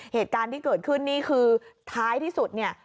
เหตุการณ์ที่เกิดขึ้นนี่คือท้ายที่สุดเนี่ย